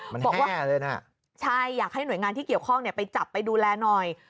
บอกว่าใช่อยากให้หน่วยงานที่เกี่ยวข้องไปจับไปดูแลหน่อย